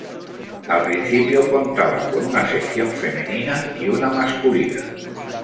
Al principio contaba con una sección femenina y una masculina.